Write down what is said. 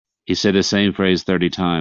He said the same phrase thirty times.